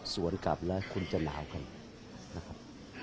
สวนกลับแล้วคุณจะลากันนะครับ